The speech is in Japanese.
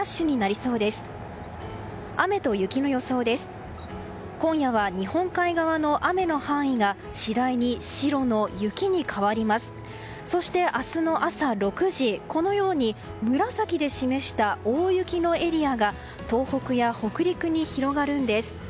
そして明日の朝６時紫で示した大雪のエリアが東北や北陸に広がるんです。